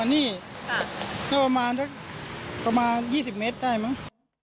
นี่ก็ประมาณสักประมาณ๒๐เมตรได้มั้ง